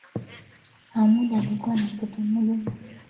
Hamoud alikuwa na mtoto mmoja wa kiume aliyekiitwa Ali